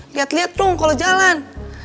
liat liat dong kalau jalan